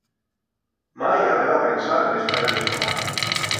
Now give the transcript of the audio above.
Mai habeba pensau en estar-ie sola.